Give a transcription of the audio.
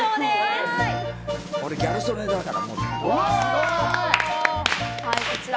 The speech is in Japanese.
俺、ギャル曽根だから。